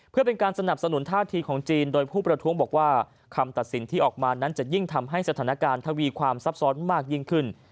เพื่อเป็นการสนับสนุนท่าทีของจีนโดยผู้ประท้วงบอกว่าคำตัดสินที่ออกมานั้นจะยิ่งทำให้สถานการณ์ทวีความซับซ้อนมากยิ่งขึ้น